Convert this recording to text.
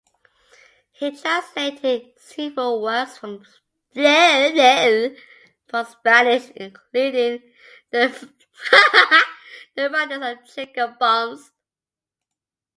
He translated several works from Spanish including the writings of Jacob Balmes.